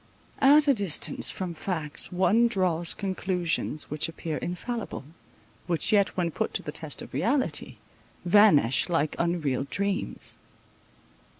At a distance from facts one draws conclusions which appear infallible, which yet when put to the test of reality, vanish like unreal dreams.